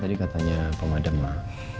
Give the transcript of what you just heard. tadi katanya pemadam mbak